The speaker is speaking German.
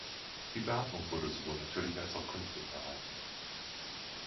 Die Beatmung wurde sowohl natürlich als auch künstlich erreicht.